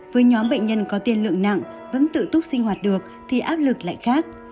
với nhóm bệnh nhân có tiền lượng nặng vẫn tự túc sinh hoạt được thì áp lực lại khác